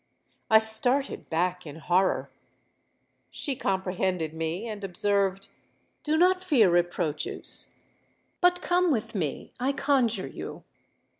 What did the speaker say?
'—I started back in horror. She comprehended me, and observed, 'Do not fear reproaches: but come with me, I conjure you!'